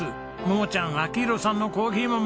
桃ちゃん明宏さんのコーヒー豆